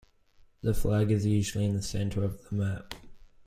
The flag is usually in the center of the map.